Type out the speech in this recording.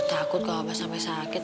saya takut kalau aku sampai sakit